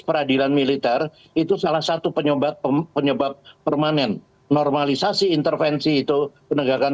peradilan militer itu salah satu penyebab penyebab permanen normalisasi intervensi itu penegakan